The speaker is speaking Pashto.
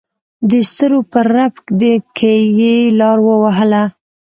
دسترو په رپ کې یې لار ووهله.